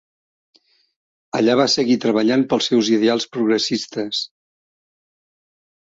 Allà va seguir treballant pels seus ideals progressistes.